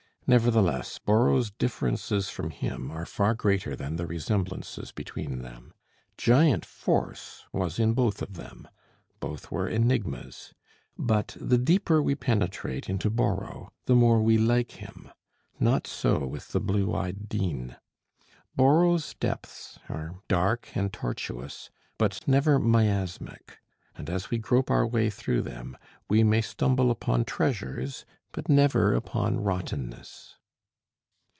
Nevertheless Borrow's differences from him are far greater than the resemblances between them. Giant force was in both of them; both were enigmas; but the deeper we penetrate into Borrow, the more we like him; not so with the blue eyed Dean. Borrow's depths are dark and tortuous, but never miasmic; and as we grope our way through them, we may stumble upon treasures, but never upon rottenness.